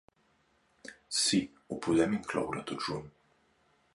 Sí, ho podem incloure tot junt.